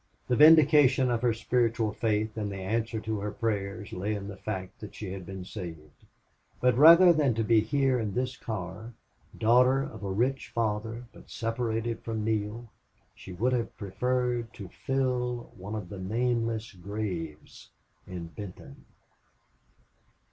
The vindication of her spiritual faith and the answer to her prayers lay in the fact that she had been saved; but rather than to be here in this car, daughter of a rich father, but separated from Neale, she would have preferred to fill one of the nameless graves in Benton.